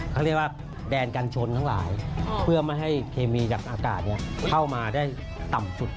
เขาเรียกว่าแดนกันชนทั้งหลายเพื่อไม่ให้เคมีกับอากาศเข้ามาได้ต่ำสุด